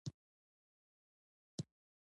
قومونه د افغان ښځو په ژوند کې هم یو رول لري.